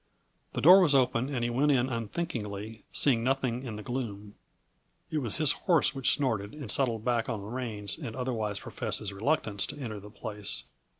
The door was open and he went in unthinkingly, seeing nothing in the gloom. It was his horse which snorted and settled back on the reins and otherwise professed his reluctance to enter the place.